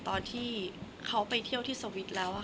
คนเราถ้าใช้ชีวิตมาจนถึงอายุขนาดนี้แล้วค่ะ